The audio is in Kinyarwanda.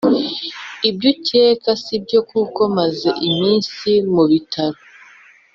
Ibyucyeka sibyo kuko maze iminsi mubitaro